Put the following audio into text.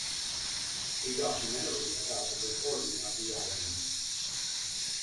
A documentary about the recording of the album.